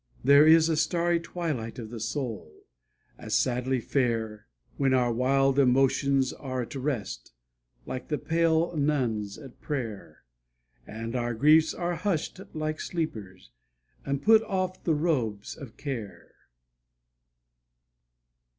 There is a starry twilight Of the soul, as sadly fair, When our wild emotions are at rest, Like the pale nuns at prayer; And our griefs are hushed like sleepers, And put off the robes of care.